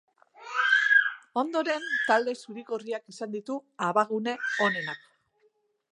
Ondoren, talde zuri-gorriak izan ditu abagune onenak.